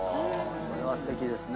それはすてきですね。